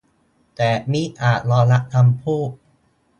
แต่มิอาจยอมรับคำพูด